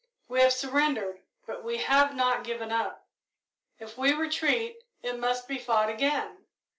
We have surrendered, but we have not given up. If we retreat, it must be fought again.